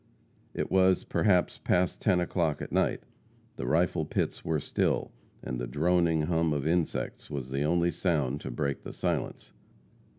It was, perhaps, past ten o'clock at night. The rifle pits were still, and the droning hum of insects was the only sound to break the silence.